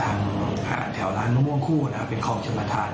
แถวร้านมะม่วงคู่เป็นคลองชนประธาน